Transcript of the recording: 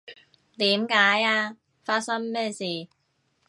點解呀？發生咩事？